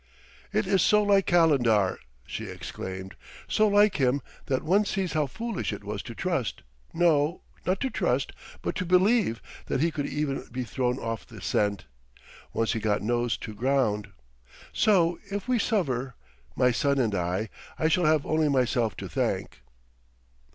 "It is so like Calendar!" she exclaimed: "so like him that one sees how foolish it was to trust no, not to trust, but to believe that he could ever be thrown off the scent, once he got nose to ground. So, if we suffer, my son and I, I shall have only myself to thank!"